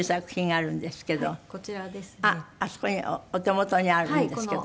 あっあそこにお手元にあるんですけど。